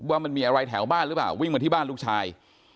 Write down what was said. ว่ามันมีอะไรแถวบ้านหรือเปล่าวิ่งมาที่บ้านลูกชาย